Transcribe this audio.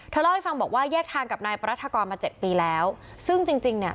เล่าให้ฟังบอกว่าแยกทางกับนายปรัฐกรมาเจ็ดปีแล้วซึ่งจริงจริงเนี่ย